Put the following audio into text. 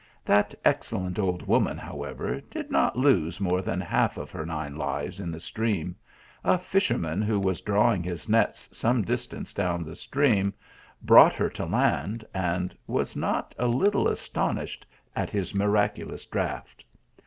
That excellent old woman, however, did not lose more than half of her nine lives in the stream. A fisherman who was drawing his nets some distance down the stream, brought her to land and was not a little astonished at his miraculous draught.